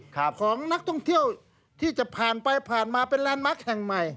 ของนักท่องเที่ยวที่จะผ่านไปผ่านมาเป็นแลนดมาร์คแห่งใหม่